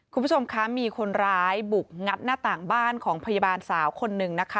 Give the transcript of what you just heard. คุณผู้ชมคะมีคนร้ายบุกงัดหน้าต่างบ้านของพยาบาลสาวคนหนึ่งนะคะ